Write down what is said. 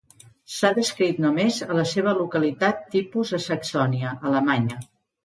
S’ha descrit només a la seva localitat tipus a Saxònia, Alemanya.